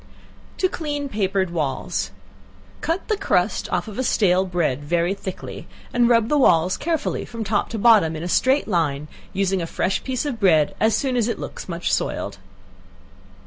To Clean Papered Walls. Cut the crust off of stale bread very thick, and rub the walls carefully from top to bottom, in a straight line, using a fresh piece of bread as soon as it looks much soiled.